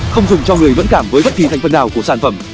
không dùng cho người vẫn cảm với bất kỳ thành phần nào của sản phẩm